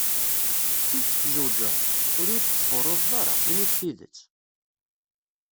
D tidet tzewǧeḍ? ur iyi-d-sxurruḍ ara, ini-d tidet.